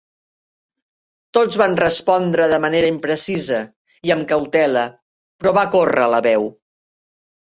Tots van respondre de manera imprecisa i amb cautela, però va córrer la veu.